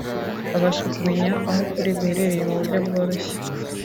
babasha kumenya aho ukuri guherereye mu buryo bworoshye